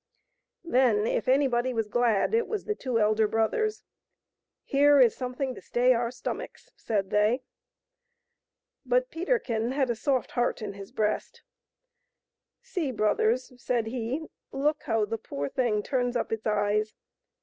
Then, if anybody was glad, it was the two elder brothers. " Here is something to stay our stomachs," said they. But Peterkin had a soft heart in his breast. " See, brothers," said he, look how the poor thing turns up its eyes.